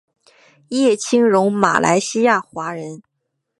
叶清荣马来西亚华人。